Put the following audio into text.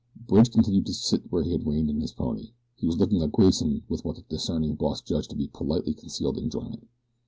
Bridge continued to sit where he had reined in his pony. He was looking at Grayson with what the discerning boss judged to be politely concealed enjoyment.